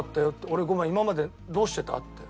俺今までどうしてた？って。